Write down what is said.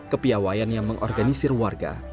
kepiawayan yang mengorganisir warga